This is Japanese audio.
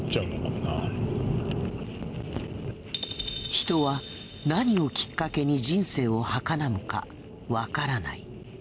人は何をきっかけに人生を儚むかわからない。